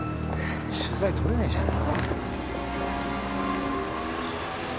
取材取れないじゃんよ。